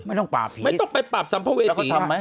ไม่ต้องปราบสามโภ้เวศี